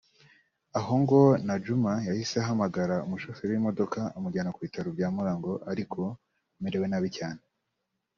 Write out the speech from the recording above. aho ngo Najjuma yahise ahamagara umushoferi w’imodoka amujyana ku bitaro bya Mulago ariko amerewe nabi cyane